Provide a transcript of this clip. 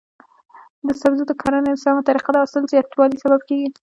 د سبزیو د کرنې سمه طریقه د حاصل زیاتوالي سبب کیږي.